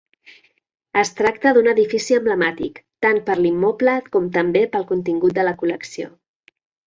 Es tracta d'un edifici emblemàtic tant per l'immoble com també pel contingut de la col·lecció.